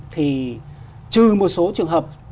thì trừ một số trường hợp